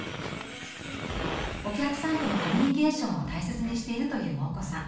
お客さんとのコミュニケーションも大切にしているというモー子さん。